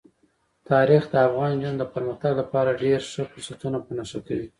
تاریخ د افغان نجونو د پرمختګ لپاره ډېر ښه فرصتونه په نښه کوي.